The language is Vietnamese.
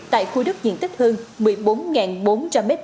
tại khu đất diện tích hơn một mươi bốn bốn trăm linh m hai